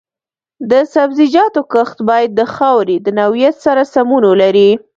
د سبزیجاتو کښت باید د خاورې د نوعیت سره سمون ولري.